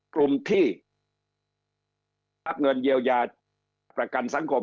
กลุ่มที่อักเงินเยียวยาประกันสังคม